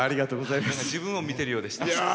自分を見てるようでした。